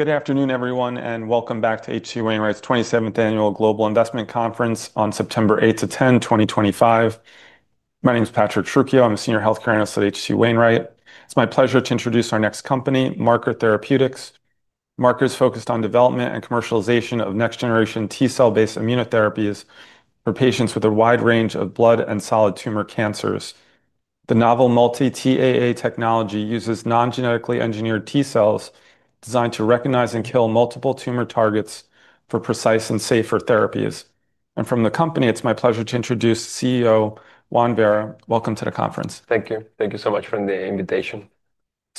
Good afternoon, everyone, and welcome back to HC Wainwright's 27th Annual Global Investment Conference on September 8 to 10, 2025. My name is Patrick Truchio. I'm a Senior Healthcare Analyst at HC Wainwright. It's my pleasure to introduce our next company, Marker Therapeutics. Marker is focused on the development and commercialization of next-generation T-cell-based immunotherapies for patients with a wide range of blood and solid tumor cancers. The novel multi-TAA technology uses non-genetically engineered T cells designed to recognize and kill multiple tumor targets for precise and safer therapies. From the company, it's my pleasure to introduce CEO Juan Vera. Welcome to the conference. Thank you. Thank you so much for the invitation.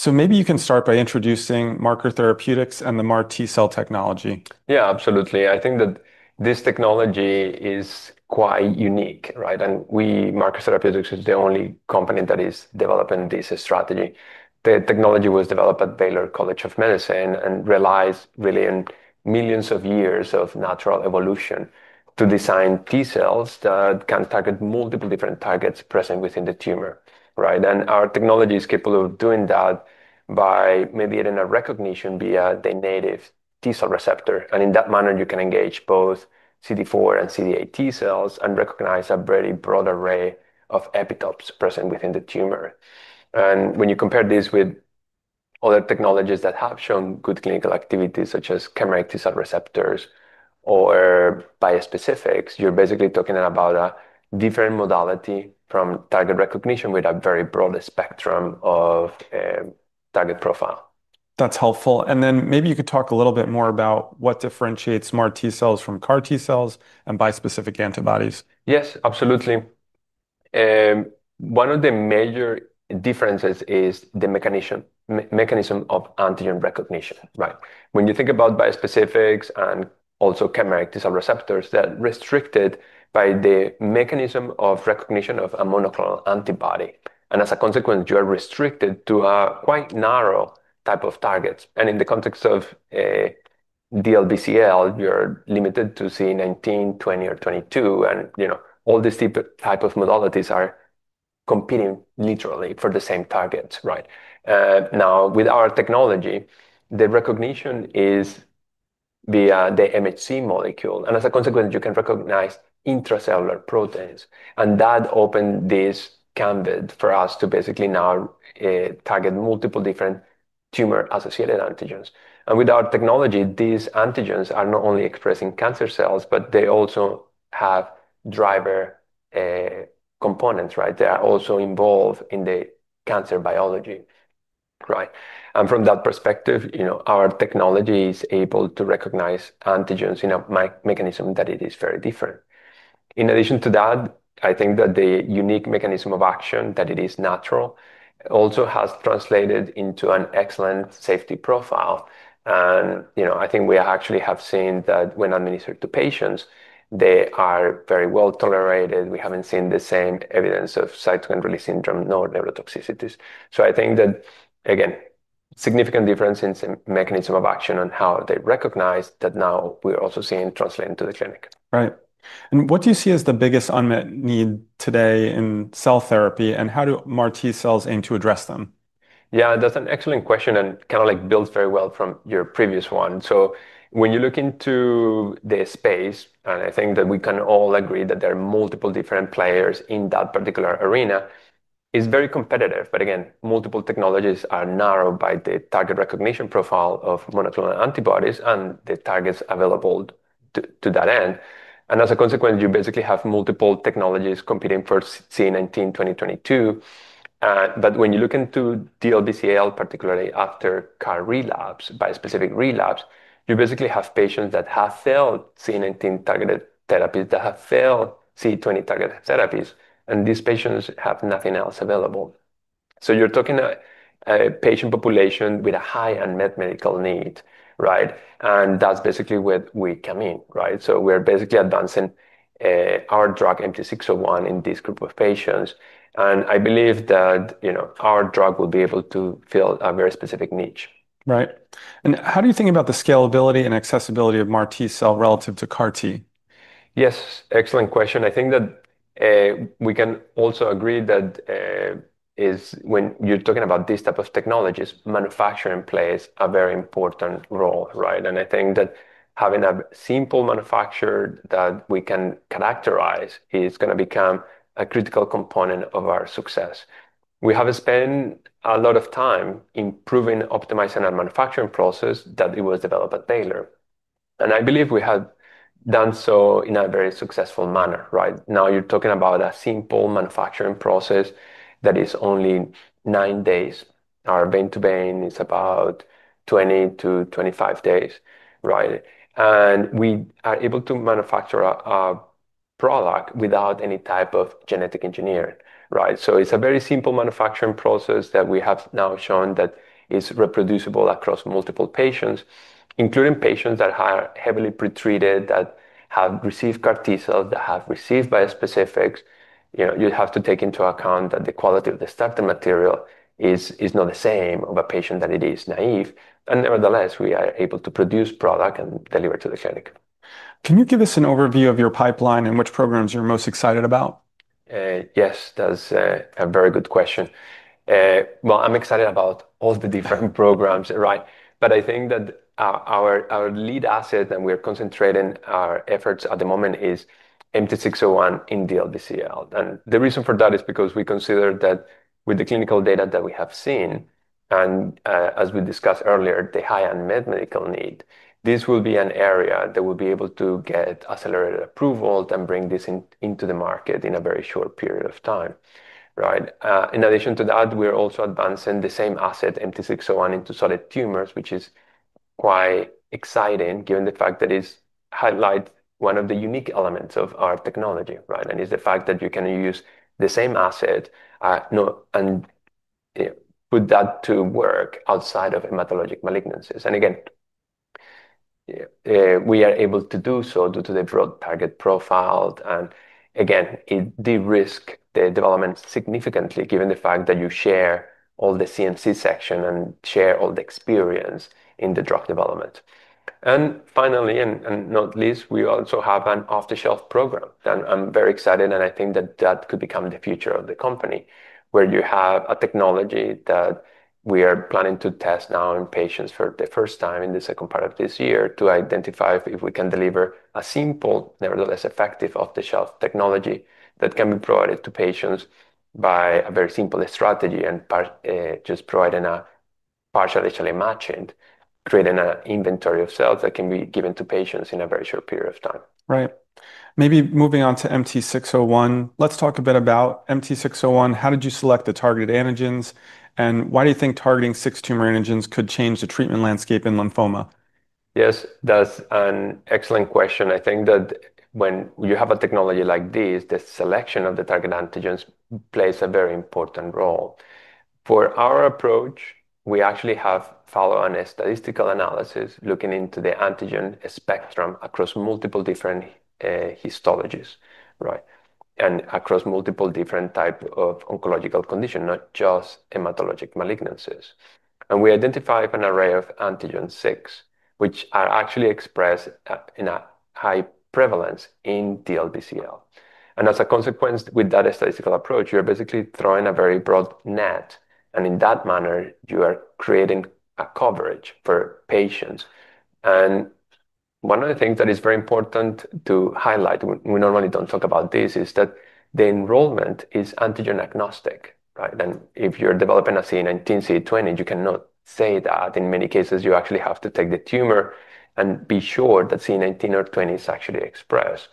Maybe you can start by introducing Marker Therapeutics and the mar T-cell technology. Yeah, absolutely. I think that this technology is quite unique, right? We, Marker Therapeutics, are the only company that is developing this strategy. The technology was developed at Baylor College of Medicine and relies really on millions of years of natural evolution to design T cells that can target multiple different targets present within the tumor, right? Our technology is capable of doing that by mediating a recognition via the native T cell receptor. In that manner, you can engage both CD4 and CD8 T cells and recognize a very broad array of epitopes present within the tumor. When you compare this with other technologies that have shown good clinical activity, such as chimeric T cell receptors or bispecific antibodies, you're basically talking about a different modality from target recognition with a very broad spectrum of target profile. That's helpful. Maybe you could talk a little bit more about what differentiates mar T cells from CAR T cells and bispecific antibodies. Yes, absolutely. One of the major differences is the mechanism of antigen recognition, right? When you think about bispecifics and also chimeric T cell receptors, they're restricted by the mechanism of recognition of a monoclonal antibody. As a consequence, you are restricted to a quite narrow type of targets. In the context of DLBCL, you're limited to C19, 20, or 22. All these types of modalities are competing literally for the same targets, right? Now, with our technology, the recognition is via the MHC molecule. As a consequence, you can recognize intracellular proteins. That opens this candidate for us to basically now target multiple different tumor-associated antigens. With our technology, these antigens are not only expressed in cancer cells, but they also have driver components, right? They are also involved in the cancer biology, right? From that perspective, our technology is able to recognize antigens in a mechanism that it is very different. In addition to that, I think that the unique mechanism of action, that it is natural, also has translated into an excellent safety profile. I think we actually have seen that when administered to patients, they are very well tolerated. We haven't seen the same evidence of cytokine release syndrome nor neurotoxicities. I think that, again, a significant difference in the mechanism of action and how they recognize that now we're also seeing translated into the clinic. Right. What do you see as the biggest unmet need today in cell therapy, and how do mar T cells aim to address them? Yeah, that's an excellent question and kind of builds very well from your previous one. When you look into the space, I think that we can all agree that there are multiple different players in that particular arena, it's very competitive. Multiple technologies are narrowed by the target recognition profile of monoclonal antibodies and the targets available to that end. As a consequence, you basically have multiple technologies competing for C19, 20/22. When you look into diffuse large B-cell lymphoma (DLBCL), particularly after CAR T relapse, bispecific relapse, you basically have patients that have failed C19 targeted therapies, that have failed C20 targeted therapies, and these patients have nothing else available. You're talking about a patient population with a high unmet medical need, right? That's basically where we come in, right? We're basically advancing our drug MT-601 in this group of patients. I believe that our drug will be able to fill a very specific niche. Right. How do you think about the scalability and accessibility of mar T cells relative to CAR T? Yes, excellent question. I think that we can also agree that, when you're talking about these types of technologies, manufacturing plays a very important role, right? I think that having a simple manufacturer that we can characterize is going to become a critical component of our success. We have spent a lot of time improving, optimizing our manufacturing process that was developed at Baylor College of Medicine. I believe we have done so in a very successful manner, right? Now you're talking about a simple manufacturing process that is only nine days. Our vein-to-vein is about 20 to 25 days, right? We are able to manufacture a product without any type of genetic engineering, right? It's a very simple manufacturing process that we have now shown is reproducible across multiple patients, including patients that are heavily pretreated, that have received CAR T cells, that have received bispecifics. You have to take into account that the quality of the starting material is not the same as a patient that is naive. Nevertheless, we are able to produce products and deliver to the clinic. Can you give us an overview of your pipeline and which programs you're most excited about? Yes, that's a very good question. I'm excited about all the different programs, right? I think that our lead asset and we are concentrating our efforts at the moment is MT-601 in DLBCL. The reason for that is because we consider that with the clinical data that we have seen, and as we discussed earlier, the high unmet medical need, this will be an area that will be able to get accelerated approvals and bring this into the market in a very short period of time, right? In addition to that, we're also advancing the same asset, MT-601, into solid tumors, which is quite exciting given the fact that it highlights one of the unique elements of our technology, right? It's the fact that you can use the same asset and put that to work outside of hematologic malignancies. Again, we are able to do so due to the broad target profile. It de-risked the development significantly given the fact that you share all the CMC section and share all the experience in the drug development. Finally, and not least, we also have an off-the-shelf program. I'm very excited, and I think that that could become the future of the company where you have a technology that we are planning to test now in patients for the first time in the second part of this year to identify if we can deliver a simple, nevertheless effective off-the-shelf technology that can be provided to patients by a very simple strategy and just providing a partially matching, creating an inventory of cells that can be given to patients in a very short period of time. Right. Maybe moving on to MT-601, let's talk a bit about MT-601. How did you select the targeted antigens, and why do you think targeting six tumor antigens could change the treatment landscape in lymphoma? Yes, that's an excellent question. I think that when you have a technology like this, the selection of the target antigens plays a very important role. For our approach, we actually have followed a statistical analysis looking into the antigen spectrum across multiple different histologies, right? Across multiple different types of oncological conditions, not just hematologic malignancies, we identified an array of antigen 6, which are actually expressed in a high prevalence in DLBCL. As a consequence, with that statistical approach, you are basically throwing a very broad net. In that manner, you are creating a coverage for patients. One of the things that is very important to highlight, we normally don't talk about this, is that the enrollment is antigen-agnostic, right? If you're developing a C19, C20, you cannot say that. In many cases, you actually have to take the tumor and be sure that C19 or 20 is actually expressed.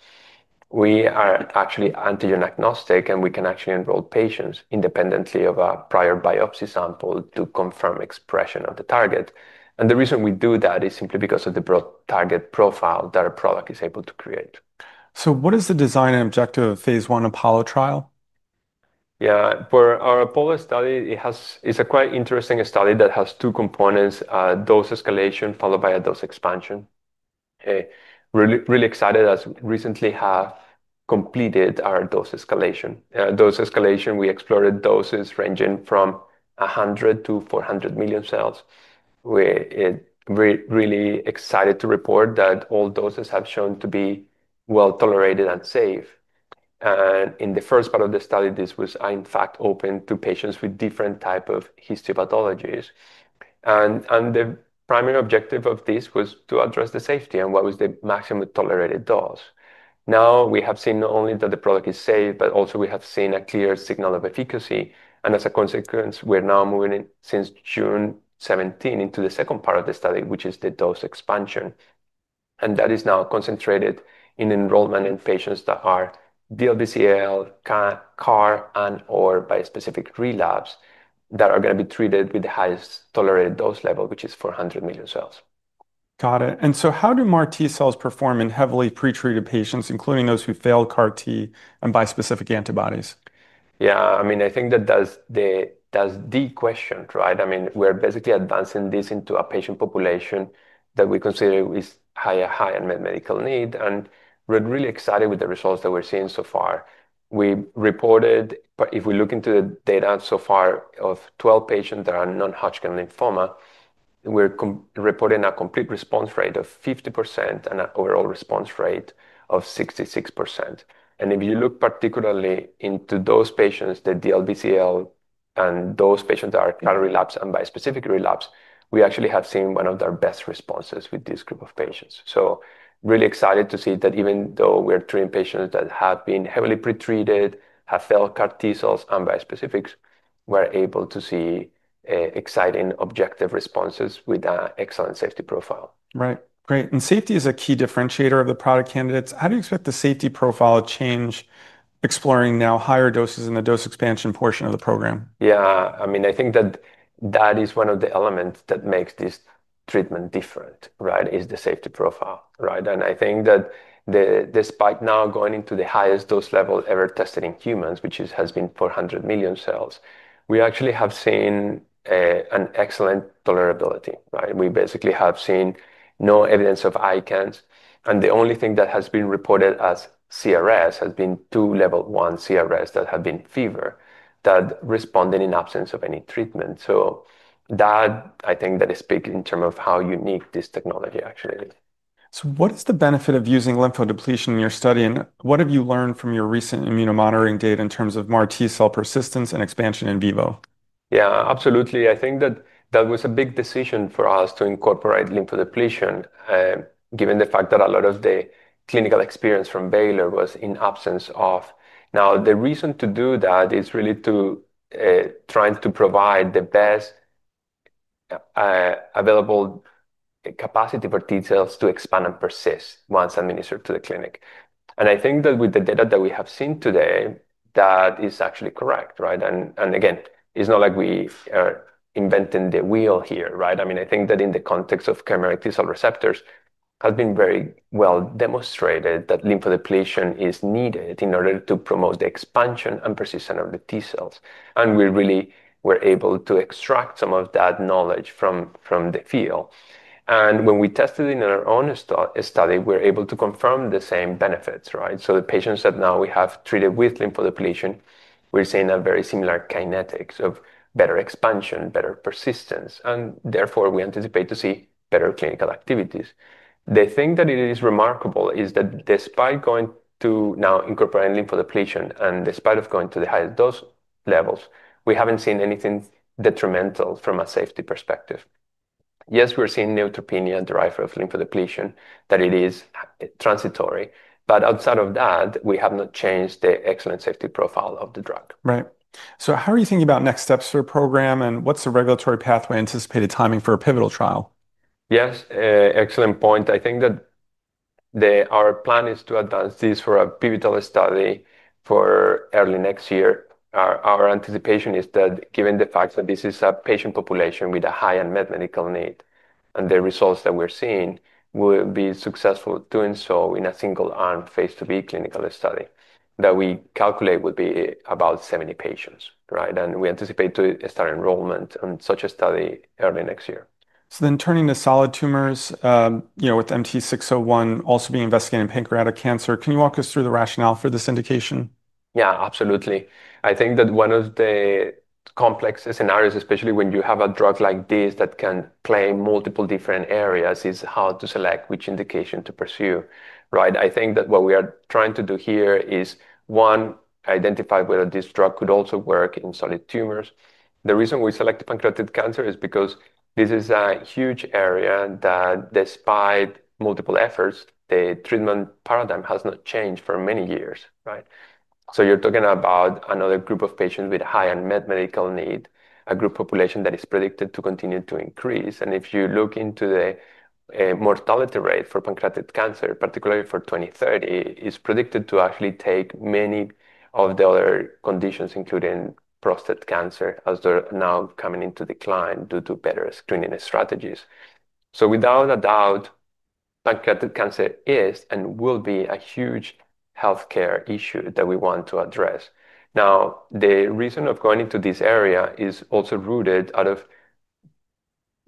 We are actually antigen-agnostic, and we can actually enroll patients independently of a prior biopsy sample to confirm expression of the target. The reason we do that is simply because of the broad target profile that our product is able to create. What is the design and objective of the Phase 1 Apollo trial? Yeah, for our Apollo Phase 1 trial, it's a quite interesting study that has two components: dose escalation followed by a dose expansion. Really excited as we recently have completed our dose escalation. Our dose escalation, we explored doses ranging from 100 to 400 million cells. We're really excited to report that all doses have shown to be well tolerated and safe. In the first part of the study, this was, in fact, open to patients with different types of histopathologies. The primary objective of this was to address the safety and what was the maximum tolerated dose. We have seen not only that the product is safe, but also we have seen a clear signal of efficacy. As a consequence, we're now moving since June 17 into the second part of the study, which is the dose expansion. That is now concentrated in enrollment in patients that are diffuse large B-cell lymphoma (DLBCL), CAR T, and/or bispecific relapse that are going to be treated with the highest tolerated dose level, which is 400 million cells. Got it. How do mar T cells perform in heavily pretreated patients, including those who failed CAR T and bispecific antibodies? Yeah, I mean, I think that that's the question, right? I mean, we're basically advancing this into a patient population that we consider with high unmet medical need. We're really excited with the results that we're seeing so far. We reported, if we look into the data so far, of 12 patients that are non-Hodgkin lymphoma, we're reporting a complete response rate of 50% and an overall response rate of 66%. If you look particularly into those patients, the DLBCL and those patients that are CAR relapse and bispecific relapse, we actually have seen one of their best responses with this group of patients. Really excited to see that even though we're treating patients that have been heavily pretreated, have failed CAR T cells and bispecifics, we're able to see exciting objective responses with an excellent safety profile. Right. Great. Safety is a key differentiator of the product candidates. How do you expect the safety profile to change exploring now higher doses in the dose expansion portion of the program? Yeah, I mean, I think that that is one of the elements that makes this treatment different, right? It's the safety profile, right? I think that despite now going into the highest dose level ever tested in humans, which has been 400 million cells, we actually have seen an excellent tolerability, right? We basically have seen no evidence of ICANS. The only thing that has been reported as CRS has been two level 1 CRS that have been fever that responded in absence of any treatment. I think that speaks in terms of how unique this technology actually is. What is the benefit of using lymph node depletion in your study? What have you learned from your recent immunomodulatory data in terms of mar T cell persistence and expansion in vivo? Yeah, absolutely. I think that that was a big decision for us to incorporate lymph node depletion, given the fact that a lot of the clinical experience from Baylor College of Medicine was in absence of. The reason to do that is really to try to provide the best available capacity for T cells to expand and persist once administered to the clinic. I think that with the data that we have seen today, that is actually correct, right? It's not like we are inventing the wheel here, right? I mean, I think that in the context of chimeric T cell receptors, it has been very well demonstrated that lymph node depletion is needed in order to promote the expansion and persistence of the T cells. We really were able to extract some of that knowledge from the field. When we tested it in our own study, we were able to confirm the same benefits, right? The patients that now we have treated with lymph node depletion, we're seeing a very similar kinetics of better expansion, better persistence, and therefore we anticipate to see better clinical activities. The thing that is remarkable is that despite going to now incorporate lymph node depletion and despite going to the higher dose levels, we haven't seen anything detrimental from a safety perspective. Yes, we're seeing neutropenia at the rise of lymph node depletion, that it is transitory, but outside of that, we have not changed the excellent safety profile of the drug. Right. How are you thinking about next steps for the program, and what's the regulatory pathway and anticipated timing for a pivotal trial? Yes, excellent point. I think that our plan is to advance this for a pivotal study for early next year. Our anticipation is that given the fact that this is a patient population with a high unmet medical need and the results that we're seeing, we'll be successful doing so in a single arm phase 2B clinical study that we calculate would be about 70 patients, right? We anticipate to start enrollment on such a study early next year. Turning to solid tumors, you know, with MT-601 also being investigated in pancreatic cancer, can you walk us through the rationale for this indication? Yeah, absolutely. I think that one of the complex scenarios, especially when you have a drug like this that can play in multiple different areas, is how to select which indication to pursue, right? I think that what we are trying to do here is, one, identify whether this drug could also work in solid tumors. The reason we selected pancreatic cancer is because this is a huge area that, despite multiple efforts, the treatment paradigm has not changed for many years, right? You're talking about another group of patients with a high unmet medical need, a group population that is predicted to continue to increase. If you look into the mortality rate for pancreatic cancer, particularly for 2030, it's predicted to actually take many of the other conditions, including prostate cancer, as they're now coming into decline due to better screening strategies. Without a doubt, pancreatic cancer is and will be a huge healthcare issue that we want to address. The reason of going into this area is also rooted out of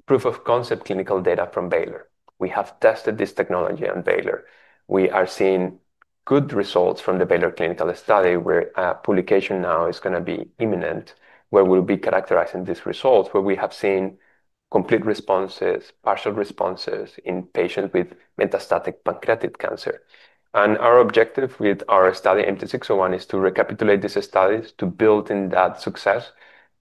proof of concept clinical data from Baylor College of Medicine. We have tested this technology at Baylor College of Medicine. We are seeing good results from the Baylor College of Medicine clinical study, where a publication now is going to be imminent, where we'll be characterizing these results, where we have seen complete responses, partial responses in patients with metastatic pancreatic cancer. Our objective with our study MT-601 is to recapitulate these studies, to build in that success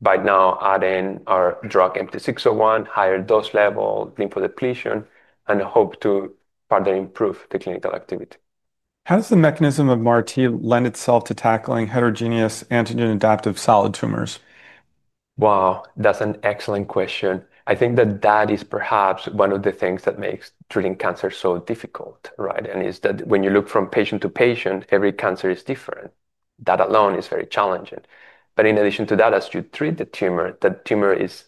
by now adding our drug MT-601, higher dose level, lymph node depletion, and hope to further improve the clinical activity. How does the mechanism of mar T lend itself to tackling heterogeneous antigen-adaptive solid tumors? Wow, that's an excellent question. I think that is perhaps one of the things that makes treating cancer so difficult, right? When you look from patient to patient, every cancer is different. That alone is very challenging. In addition to that, as you treat the tumor, that tumor is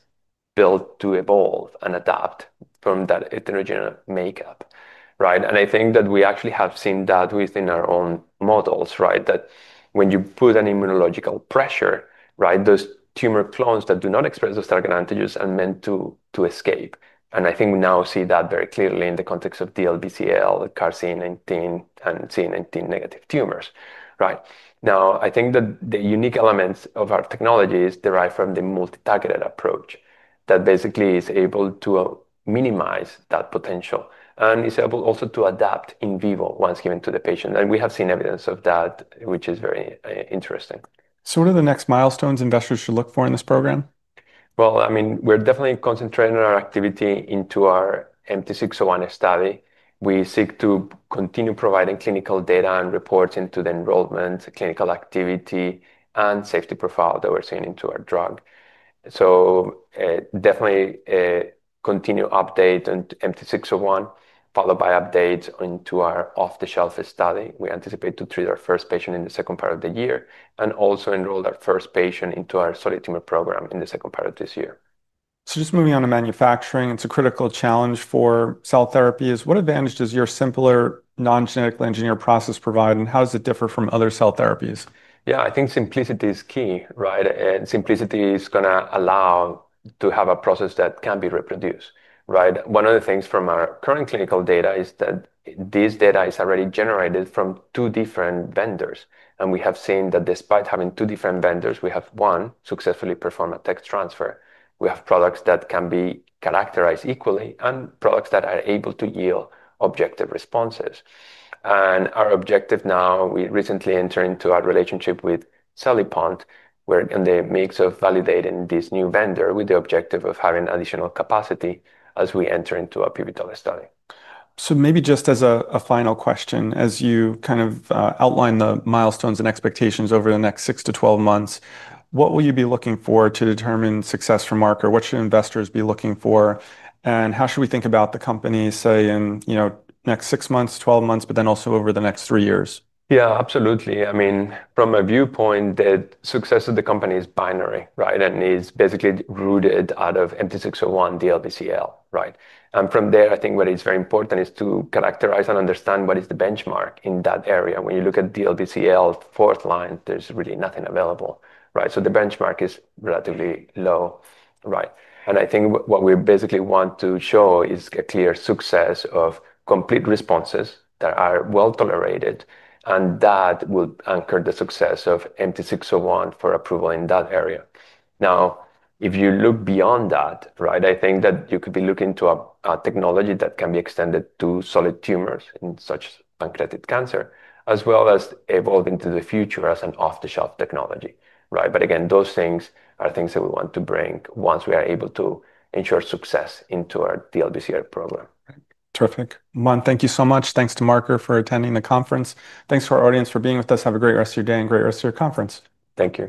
built to evolve and adapt from that heterogeneous makeup, right? I think that we actually have seen that within our own models, right? When you put an immunological pressure, those tumor clones that do not express those target antigens are meant to escape. I think we now see that very clearly in the context of diffuse large B-cell lymphoma, CAR T, and CD19 negative tumors, right? I think that the unique elements of our technology derive from the multi-targeted approach that basically is able to minimize that potential and is able also to adapt in vivo once given to the patient. We have seen evidence of that, which is very interesting. What are the next milestones investors should look for in this program? We're definitely concentrating our activity into our MT-601 study. We seek to continue providing clinical data and reports into the enrollment, clinical activity, and safety profile that we're seeing into our drug. Definitely continue updates on MT-601, followed by updates into our off-the-shelf study. We anticipate to treat our first patient in the second part of the year and also enroll our first patient into our solid tumor program in the second part of this year. Moving on to manufacturing, it's a critical challenge for cell therapies. What advantage does your simpler non-genetically engineered process provide, and how does it differ from other cell therapies? Yeah, I think simplicity is key, right? Simplicity is going to allow to have a process that can be reproduced, right? One of the things from our current clinical data is that this data is already generated from two different vendors. We have seen that despite having two different vendors, we have one successfully perform a tech transfer. We have products that can be characterized equally and products that are able to yield objective responses. Our objective now, we recently entered into a relationship with Cellipont. We're in the mix of validating this new vendor with the objective of having additional capacity as we enter into a pivotal study. Maybe just as a final question, as you kind of outline the milestones and expectations over the next 6 to 12 months, what will you be looking for to determine success for Marker? What should investors be looking for? How should we think about the company, say, in the next 6 months, 12 months, but then also over the next 3 years? Yeah, absolutely. I mean, from a viewpoint, the success of the company is binary, right? It's basically rooted out of MT-601, DLBCL, right? From there, I think what is very important is to characterize and understand what is the benchmark in that area. When you look at DLBCL, fourth line, there's really nothing available, right? The benchmark is relatively low, right? I think what we basically want to show is a clear success of complete responses that are well tolerated. That will anchor the success of MT-601 for approval in that area. If you look beyond that, I think that you could be looking to a technology that can be extended to solid tumors in such pancreatic cancer, as well as evolve into the future as an off-the-shelf technology, right? Those things are things that we want to bring once we are able to ensure success into our DLBCL program. Terrific. Thank you so much. Thanks to Marker Therapeutics for attending the conference. Thanks to our audience for being with us. Have a great rest of your day and a great rest of your conference. Thank you.